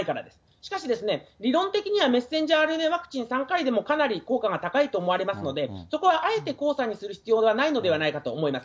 しかし、理論的には、ｍＲＮＡワクチン３回でもかなり効果が高いと思われますので、そこはあえて交差にする必要がないのではないかと思います。